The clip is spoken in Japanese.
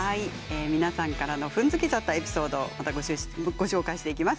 皆さんからの踏んづけちゃったエピソードをご紹介していきます。